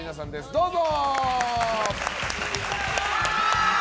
どうぞ！